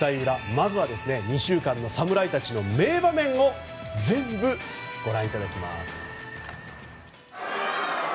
まずは２週間の侍たちの名場面を全部ご覧いただきます。